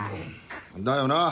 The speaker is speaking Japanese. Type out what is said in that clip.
だよな。